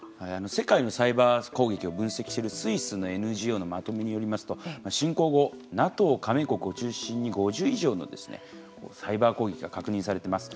世界のサイバー攻撃を分析しているスイスのＮＧＯのまとめによりますと侵攻後、ＮＡＴＯ加盟国を中心に５０以上のサイバー攻撃が確認されてます。